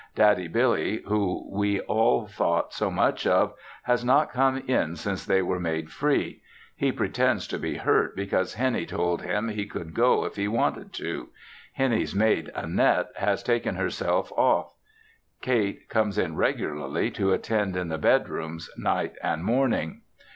Daddy Billy, who we all thought so much of, has not come in since they were made free. He pretends to be hurt because Hennie told him he could go if he wanted to. Hennie's maid Annette has taken herself off. Kate comes in regularly to attend in the bed rooms night and morning.